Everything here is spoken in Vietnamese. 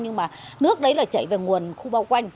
nhưng mà nước đấy là chạy về nguồn khu bao quanh